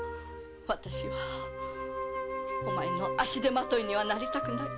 私はお前の足手まといにはなりたくない。